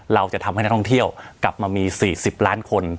เราจะทำให้นักท่องเที่ยวกลับมามี๔๐ล้านคน